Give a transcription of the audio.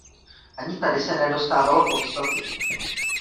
Ani tady se nedostávalo podstaty.